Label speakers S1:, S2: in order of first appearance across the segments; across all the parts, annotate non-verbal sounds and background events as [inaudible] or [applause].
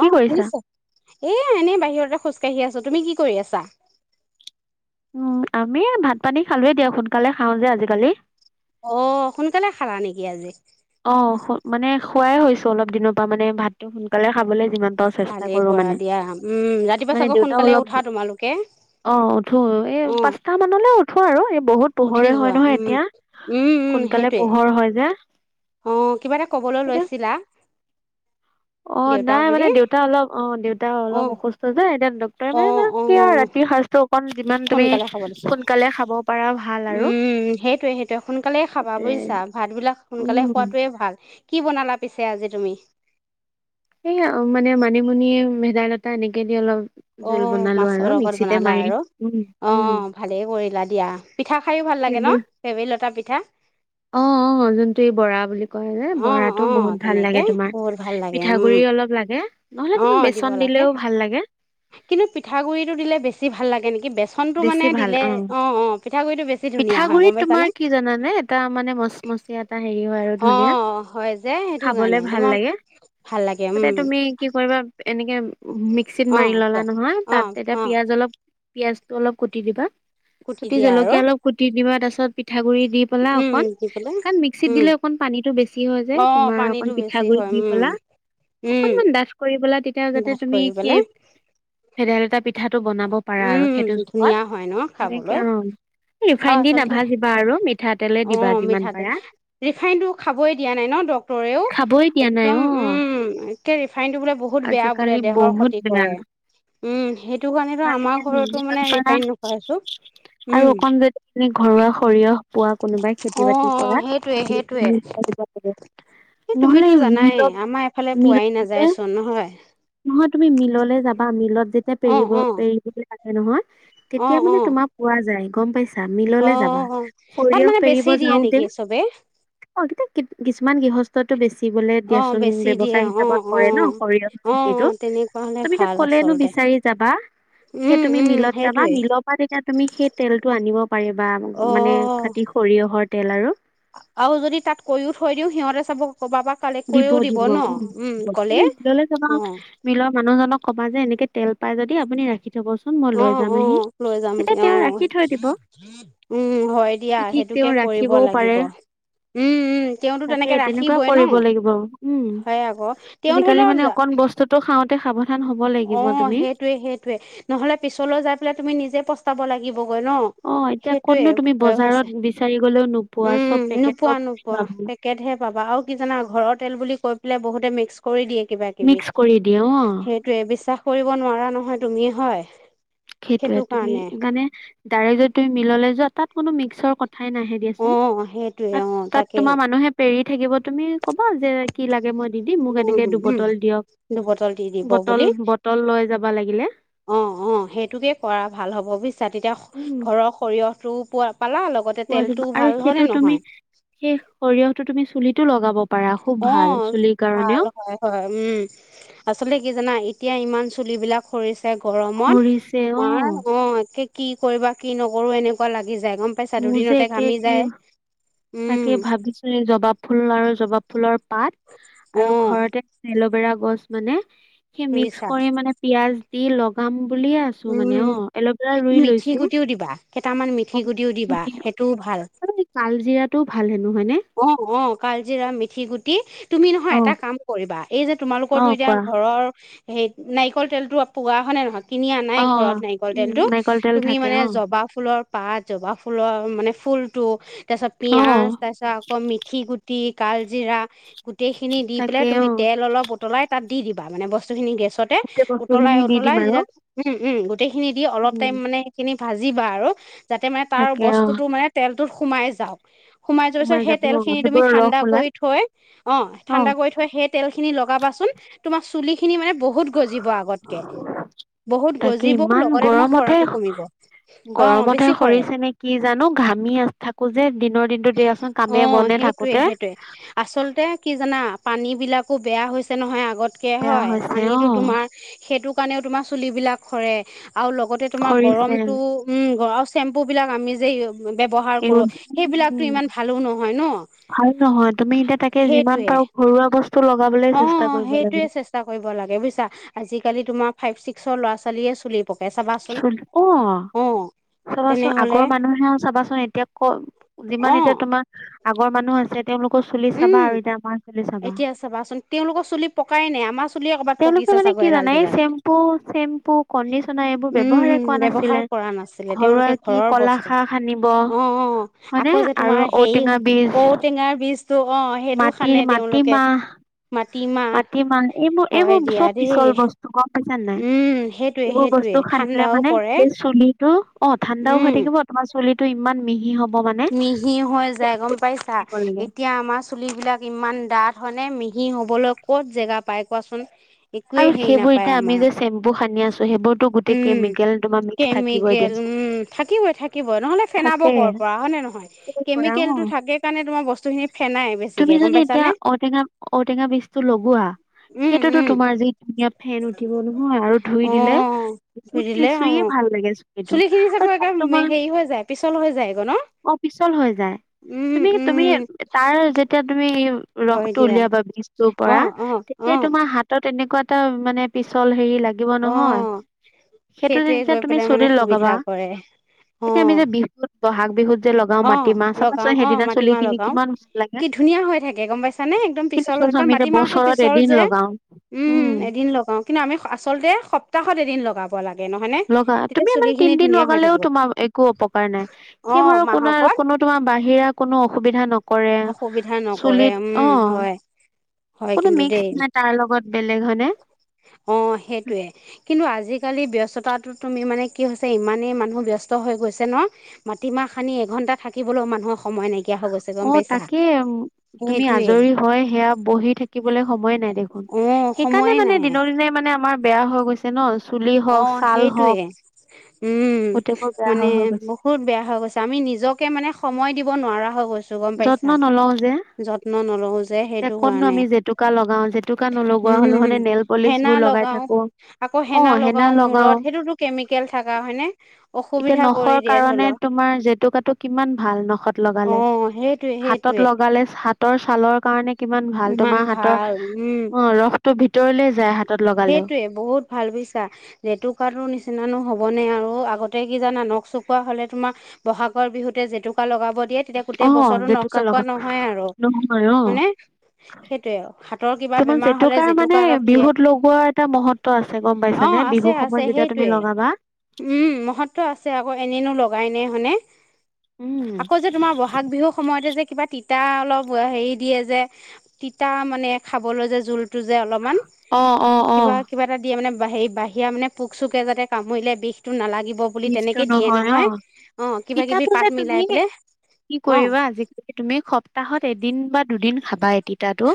S1: অ শুনিছে? এ এনে বাহিৰতে খোজ কাহি আছো, তুমি কি কৰি আছা?
S2: উম আমি এ ভাত, পানী খালেও দিয়ক সোনকালে খাওঁ যে আজিকালি।
S1: অ সোনকালে খালা নেকি আজি?
S2: অ সো মানে খোৱাই হৈছো অলপ দিনৰ পৰা মানে ভাতটো সোনকালে খাবলেই। যিমান পাৰো চেষ্টা কৰো মানে, মানে দেউতাও অলপ অ উঠো এই পাঁচটা মানলে উঠ। উঠো আৰু এ। বহুত পোহৰে হয় নহয় এতিয়া, সোনকালে পোহৰ হয় যে।
S1: অ কিবা এটা ক'বলৈ লৈছিলা?
S2: অ নাই মানে দেউতা অলপ, অ দেউতা অলপ অসুস্থ যে।
S1: অ, অ। উম, উম, উম সোনকালে খাব দিছে উম সেইটোয়ে- সেইটোয়ে সোনকালে খাবা বুজিছা ভাত বিলাক সোনকালে খোৱাতোয়ে ভাল। কি বনালা পিছে আজি তুমি?
S2: এই আ মানে মানিমুনি, ভেদাইলতা এনেকে দি অলপ। জোল বনালো আৰু মিক্সিতে মাৰি উম, উম।
S1: এতিয়া। পিঠা খাইও ভাল লাগে নহ ভেবেইলতা পিঠ। পিঠা।
S2: অ, অ যোনটো এই বৰা বুলি।
S1: অ, অ তেনেকে বৰ ভাল লাগে উম, অ দিব লাগে কিন্তু পিঠাগুৰিটো দিলে বেছি ভাল লাগে নেকি? কি বেচ।
S2: বেছি ভাল অ, পিঠাগুৰিত তোমাৰ কি জানানে? এটা মানে মচমচীয়া এটা হেৰি হয় আৰু। ধুনীয়া, খাবলে ভাল লাগে, তাতে তুমি কি কৰিবা? এনেকে। মিক্সিত মাৰি ললা নহয়, তাত এতিয়া পিয়াজ অলপ। পিয়াঁজ। অলপ কুটি দিবা। কুটি জলকীয়া অলপ কুটি দিবা, তাৰপিছত পিঠাগুৰি দি পেলা অকণ। কাৰণ মিক্সিত দিলে অকণ পানীটো বেছি। বেছি হয় যে, তোমাৰ অকন পিঠাগুৰি দি পেলা অকনমান ডাঠ কৰি পেলায়। তেতিয়া যাতে, তুমি সেই ভেদাইলতা পিঠা। টো বনাব পাৰা আৰু।
S1: উম ধুনীয়া হয় ন খাবলৈ? আৰু আচলতে অ মিঠাতেল ৰিফাইনটো খাবই দিয়া নাই ন ডক্টৰেও একদম উম। কেৰিফ। ৰিফাইনটো বোলে বহুত বেয়া বোলে দেহৰ ক্ষতি কৰে, উম সে।
S2: ৰিফাইন আৰু যিমান পাৰা, আৰু অকণ যদি ঘৰুৱা সৰিয়হ পোৱা কোনোবাই খেতি -বাতি কৰা লৈ যাবা নহলে, নহলে এই মিল মিলৰ পৰা মিল। নহয় তুমি মিললে যাবা মিলত যেতিয়া পেৰিব পাৰিবলৈ থাকে নহয় তেতিয়া মানে তোমাৰ পোৱা যায়। গম পাইছে
S1: অ তাত মানে বেছি দিয়ে নেকি চবে?
S2: অ এতিয়া কিছুমান গৃহস্থতটো বেছি বেছিবলৈ দিয়াচোন ব ব্যৱসায় হিচাপত কৰে ন। তুমি তাত ক'লেই নো বিচাৰি যাবা। সেই তুমি মিলত যাবা, মিলৰ পৰা তেতিয়া তুমি সেই তেলটো আনিব পাৰিবা মানে, খাতি সৰিয়হ। সৰিয়হ তেল আৰু
S1: আৰু যদি তাত কৈও থৈ দিওঁ সিহতে চাব
S2: দিব দিব উ দিব মিললে যাবা মিলৰ মানুহজনক। কবা যে এনেকে, তেল পাই যদি আপুনি ৰাখি থবচোন মই লৈ যাম আহি তেতিয়া তেওঁ ৰাখি থৈ দিব কি ঠিক তেওঁ ৰাখিবও পাৰে তাকে তেনেকুৱা কৰিব। লাগি উম আজিকালি মানে অকন বস্তুতটো খাওঁতে খাব
S1: অ সেইটোৱে সেইটোৱে নহলে পিছলৈ যাই পেলাই তুমি নিজে পস্তাব লাগিব। ন সেইটোৱে ভয় উম নোপোৱা নোপোৱা পেকেটহে পাবা আৰু কি জানা ঘৰৰ তেল বুলি কৈ। পে বহুতে মিক্স কৰি দিয়ে।
S2: মিক্স কৰি দিয়ে অ,
S1: বিশ্বাস কৰিব নোৱাৰা নহয় তুমি হয়।
S2: সেইটোয়ে তুমি মানে ডাইৰেক্ট য তুমি মিললে যোৱা তাত। কোনো মিক্সৰ কথা, উঠাই নাহে দিয়াচোন তাত তাত তোমাৰ মানুহে পেৰিত, থাকিব তুমি, কবা যে কি লাগে মই দি দিম মোক এনেকে দুবটল দিয়ক বটল বটল লৈ যাব। [unintelligible] লাগিলে,
S1: অহ। অ সেইটোকে কৰা ভাল হ'ব বুইছা? তেতিয়া ঘৰৰ সৰিয়হ ৰৌ পোৱা
S2: পোৱা যাব আৰু সেইটো তুমি সেই সৰিয়হটো তুমি চুলিত টো লগাব
S1: অ', ভাল হয় হয় উম। আচলতে কি জানা এতিয়া ইমান চুলিবিলাক সৰিছ গৰমত তোমাৰ অ', একে কি কৰিবা কি নকৰো এনেকুৱা লা
S2: মোৰ যে একে কি, তাকেই ভাবিছো এই জবাব ফুল আৰু জবাব ফুলৰ পাত আৰু ঘৰতে [inaudible] বেৰা গছ মানে সি মিক্স কৰি মানে পিয়াজ তি লগাম ফুলিয়ে আছো মানে অ', এল'ভেৰা ৰুই লৈছো।
S1: কেইটামান মিঠি গুটিও দিবা সেইটো ভাল। অ', অ', কালজিৰা মিথি গুটি, তুমি নহয় এটা কাম কৰিবা এই যে তোমালোকৰতো এতিয়া ঘৰৰ সেই নাৰিকল তেলতো পোৱা হয় নে নহয় কিনি নাই ঘৰত নাৰিকল তেলতো, তুমি মানে জবা ফুলৰ পা জবা ফুলৰ মানে ফুলতটো তাৰপাছত পিঁয়াজ তাৰপিছত আকৌ মিথি গুটি কাল জিৰা। গোটেইখিনি দি পেলাই তুমি তেল অলপ উতলাই তাত দি দিবা মানে, ব বস্তুখিনি গেছতে উতলাই উতলাই যেতিয়া উম গো গোটেইখিনি অলপ টাইম মানে সেইখিনি ভাজিবা আৰু যাতে মানে তাৰ বস্তুটো মানে তেল ত সোমাই যাওক সোমাই যোৱাৰ পিছত সেই তেলখিনি তুমি ঠাণ্ডা কৰি থৈ অ', ঠাণ্ডা কৰি থৈ সেই তেল খিনি লগাবাচোন তুমাৰ চুলিখিনি মানে বহুত গজিব আগতকে
S2: তাকে ইমান গৰমতহে গৰমতহে সৰিছে নে কি জানো, ঘামি আ-থাকো যে।
S1: অ', সেইটোৱে সেইটোৱে আচলতে কি জানা? পানী বিলাকো বেয়া হৈছে নহয় আগত কে হয় পানীটো তোমাৰ সেইটো কাৰণেও তোমাৰ চুলি বিলাক সৰে আৰু লগতে তোমাৰ গৰমতটো উম গৰম চেম্পু বিলাক আমি যে ব্যৱহাৰ কৰোঁ সেইবিলাক
S2: ভাল নহয় তুমি এতিয়া তাকে যিমান পাৰো ঘৰুৱা বস্তু
S1: অঁ সেইটোয়ে চেষ্টা কৰিব লাগে বুজিছা আজিকালি তোমাৰ ফাইভ ছিক্স ল'ৰা ছোৱালীয়ে চুলি পকে
S2: অঁ চাবাচোন আগৰ মানুহেও চাবাচোন এতিয়া ক যিমান এতিয়া তোমাৰ আগৰ মানুহ আছে
S1: উম এতিয়া চাবাচোন তেওঁলোকৰ চুলি পকাই নাই আমাৰ চুলি
S2: তেওঁলোকে মানে কি জানা এই চেম্পু চেম্পু কণ্ডিচনাৰ এইবোৰ ব্যৱহাৰে কৰাোৱা নাছিলে ঘৰুৱা কি কলাা সানিব হয়নেে আৰু ঔটেঙা বীজ
S1: অঁ সেইটো খানে তেওঁলোকে মাটিমাহ
S2: এইবোৰ চবত পিছল বস্তু গম নাই এইবোৰ বস্তু খান্দিলে মানে চুলি সেইটো অঁ ঠাণ্ডা হৈ থাকিব তোমাৰ চুলিত ইমান মিহি হ'ব
S1: মিহি হৈ যায় গম পাইছা এতিয়া আমাৰ চুলিবিলাক ইমান ডাঠ হয়নেে মিহি সি হ'বলৈ ক'ত জেগা পাই কোৱাচোন
S2: আৰু সেইবোৰ এতিয়া আমি যে চেম্পু সানি আছো সেইবোৰতো গোটেই কেমিকেল তোমাৰ মিক্স থাকিবই দিয়াচোন থাকে
S1: হয় ন নহয় কেমিকেলো থাকে কাৰণে তোমাৰ বস্তুখিনি ফেনাই বেছিকে গম পাইছানে উম
S2: তোমাৰ যি ধুনীয়া ফেন উঠিব নহয় আৰু ধুই দিলে বহুত খিনি চুইে ভাল লাগে চুলিটো আৰু তাত তোমাৰ অঁ পিছল হৈ যায় তুমি তুমি তাৰ যেতিয়া তুমি [unintelligible] ৰসটো উলিয়াবা বিজুটোৰ পৰা তেতিয়া তোমাৰ হাত তেনেকুৱা এটা মানে পিছল হেৰি লাগে লাগিব নহয় সেইটো যেতিয়া তুমি চুলি লগাবা এতিয়া আমি যে বিহুত বহাগ বিহুত যে লগাও মাটি মাহ চাবাচোন সেইদিনা চুলি খিনি কিমান ভাল লাগে কি চলছ আমি এতিয়া বছৰত এদিন লগাও
S1: উম এদিন লগাও কিন্তু আমি আচলতে সপ্তাহত এদিন লগাব লাগে
S2: লগা তুমি মানে তিনদিন লগালেও তোমাৰ একো অপকাৰ নাই সেইবোৰৰ ক কোনো তোমাৰ বাহিৰা কোনো অসুবিধা নক
S1: অসুবিধা নকৰে উম হয় হয় কিন্তু দেই অ সেইটয়ে কিন্তু আজিকালি ব্যস্ত ব্যস্ততাটো তুমি মানে কি হৈছে ইমানেই মানুহ ব্যস্ত হৈ গৈছে ন মাটিমাহ সানি এঘণ্টা থাকিবলৈও মানুহক সময় নাইকিয়া গৈ গম পাইছে
S2: তুমি আজৰি হয় সেয়া বহি থাকিবলৈ সময় নাই দেখোন সেইকাৰণে মানে দিনৰ দিনে মানে আমাৰ বেয়া হৈ গৈছে ন
S1: অ সেইটোৱে উম মানে বহুত বেয়া হৈ গৈছে আমি নিজকে মানে সময় দিব নোৱাৰা হৈ গৈছো
S2: যত্ন নলও যে কতনো আমি জেতুকা লগাও জেতুকা নোলোৱা হলেও হলে নেল পলিচ বোৰ লগাই থাকো অ সেইটোয়ে
S1: বা মূৰত সেইটোতো কেমিকেল থকা হয়নে অসুবিধা কৰি দিয়ে ধৰি লও অহ সেই
S2: হাতত লগালে হাতৰ ছালৰ কাৰণে কিমান ভাল তোমাৰ হাতৰ অ ৰসটো ভিতৰলে
S1: সেইটোয়ে বহুত ভাল বুজিছা জেতুকাটো নিচিনানো হবনে? আৰু আগতে কি জানা নখ চকোৱা হ'লে তুমাৰ ব'হাগৰ বিহুতে জেতুকা লগাব দিয়ে তেতিয়া গোটেই বছৰ নখ চকোৱা নহয় আৰু মানে সেইটোয়ে হাতৰ কিবা বেমাৰ হলে জেতুকা গোটেই ৰাতিয়ে দিয়ে অ আছে আছে সেইটোৱে উম মহত্ব আছে আকৌ এনেইনো লগাই নে হয়নে আকৌ যে তোমাৰ বহাগ বিহুৰ সময়তে যে কিবা তিত তিতা অলপ হেৰি দিয়ে যে তিতা মানে খাবলৈ যে জুলটো তিতা যে অলপমান কিবা কিবা এটা দিয়ে বাহি বাহিয়া মানে পোক চুকে যাতে কামুৰিলে বিষটো নালাগিব
S2: নহয় অ তিতাটো যে তুমি কি কৰিবা আজিকালি তুমি সপ্তাহত এদিন বা দুদিন খাবায়ে তিতাটো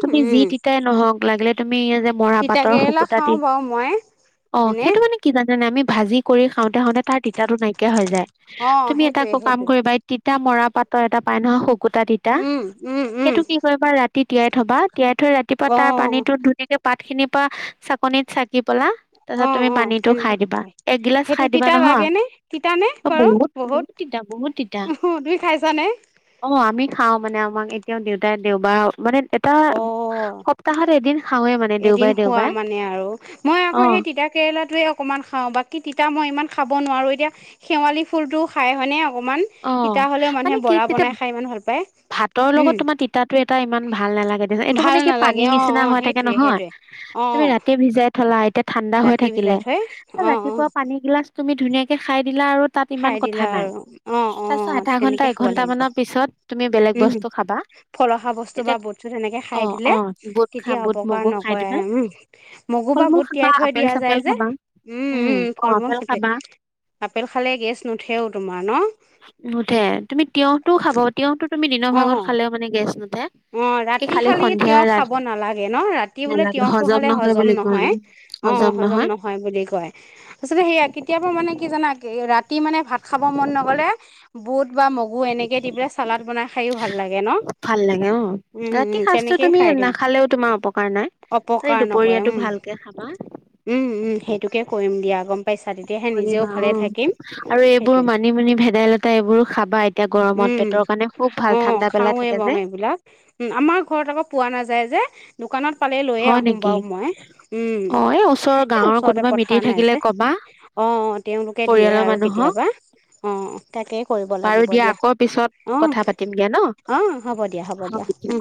S2: তুমি যি তিতাই নহওক লাগিলে তুমি যে মৰা পাটৰ শুকুতা তি অ সেইটো মানে কি জানোনে আমি ভাজি কৰি খাওঁতে খাওঁতে তাৰ তিতাটো নাইকিয়া হৈ যায়। তুমি এটা আকৌ কাম কৰিবা এটা মৰা পাতৰ এটা পায় নহয় শক শকুতা তিতা সেইটো কি কৰিবা ৰাতি তিয়াই থবা তিয়াই থৈ ৰাতিপুৱা তাৰ পানীতো ধুনীয়াকে গোট পাত খিনিৰ পৰা চাকনিত চাকি পলা তাৰপিছত তুমি পানীটো খায় দিবা।
S1: সেইটো তিতা লাগে নে? তিতা নে বাৰু বহুত? উম তুমি খাইছানে?
S2: অ আমি খাওঁ মানে আমাক এতিয়াও দেউতাই দেওবাৰ মানে এটা সপ্তাহত এদিন খাওঁৱে মানে
S1: এদিন খোৱা মানে আৰু, মই আকৌ সেই তিতা কেৰেলাটোৱে অকমান খাওঁ। বাকী তিতা মই ইমান খাব নোৱাৰোঁ, এতিয়া শেৱালি ফুলটো খায় হয়নে?
S2: অ মানে কি তেতিয়া ভাতৰ লগত তোমাৰ তিতাটো এটা ইমান ভাল নালাগে দেচোন, এইটো মানে কি পানী নিচিনা হৈ থাকে নহয় তুমি ৰাতি ভিজাই থলা এতিয়া ঠাণ্ডা হৈ থাকিলে ৰাতিপুৱা পানী গিলাচ তুমি ধুনীয়াকে খাই দিলা আৰু তাত ইমান কথা নাই?
S1: অ অ তেনেকে খাব লাগিব উম ফলসা বস্তু বা বুট চু তেনেকে খাই দিলে তেতিয়া অপকাৰ নকৰে উম মগু বা বুট তিয়াই থৈ দিয়া যায় যে উম উম ফল মূল থৈ আপেল খালে গেছ নুঠেও তোমাৰ ন।
S2: নুউঠে তুমি তিয়হটো খাব তিয়হতো তুমি দিনৰ ভাগত খালেও মে গেছ নু
S1: অ ৰাতি খালি তেওঁ খাব নালাগে ন ৰাতি বোলে তেওঁতো খালে হজম নহয় অ হজম নহয় বুলি কয় আচলতে সেয়া কেতিয়াবা মানে কি জানা ৰা ৰাতি মানে ভাত খাব মন নগ'লে বুট বা মগু এনেকে দি পেলাই চালাাদ বনাই খাইও ভাল লাগে ন।
S2: অ ৰাতি সাঁজটো তুমি নাখালেও তোমাৰ অপকাৰ নাই খালি দুপৰীয়াটো ভালকে খাবা। কৰিবা অ আৰু এইবোৰ মানিমুনি ভেদাইলতা এইবোৰ খাবা এতিয়া গৰমত পেটৰ কাৰণে খুব ভাল ঠাণ্ডা পেলাই থাকে যে
S1: উম আমাৰ ঘৰত আকৌ পোৱা নাযায় যে দোকানত ফালে লৈয়ে আহো বাৰু মই উম এই ওচৰতে পথাৰ নাই যে অ তেওঁলোকে দিয়ে আৰু কেতিয়াবা অ তাকেই কৰিব লাগিব দিয়া অ অ হ'ব দিয়া হ'ব দিয়া দিয়া উম